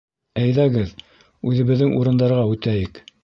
Әйҙәгеҙ, үҙебеҙҙең урындарға үтәйек